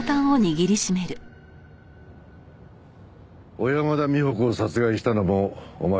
小山田美穂子を殺害したのもお前だな。